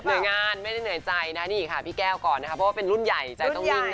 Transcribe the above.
งานไม่ได้เหนื่อยใจนะนี่ค่ะพี่แก้วก่อนนะคะเพราะว่าเป็นรุ่นใหญ่ใจต้องวิ่ง